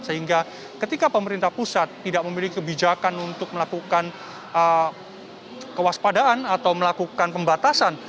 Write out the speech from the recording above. sehingga ketika pemerintah pusat tidak memiliki kebijakan untuk melakukan kewaspadaan atau melakukan pembatasan